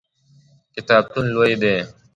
کتابتون لوی دی؟